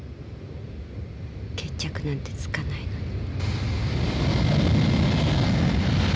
決着なんてつかないのに。